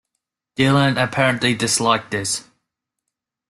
Dylan apparently disliked this.